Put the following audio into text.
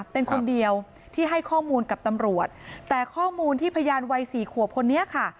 เป็นคนเดียวที่ให้ข้อมูลกับตำรวจแต่ข้อมูลที่พยานวัยสี่ขวบคนนี้ค่ะ